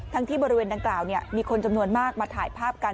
ที่บริเวณดังกล่าวมีคนจำนวนมากมาถ่ายภาพกัน